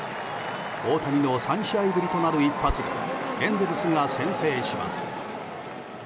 大谷の３試合ぶりとなる一発でエンゼルスが先制します。